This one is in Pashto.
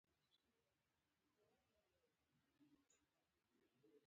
د جنوبي امریکا هېوادونه د ځمکنیو لارو له پلوه بې وزلي دي.